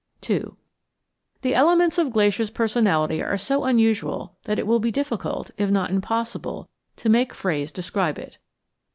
II The elements of Glacier's personality are so unusual that it will be difficult, if not impossible, to make phrase describe it.